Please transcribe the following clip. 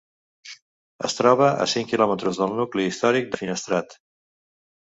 Es troba a cinc quilòmetres del nucli històric de Finestrat.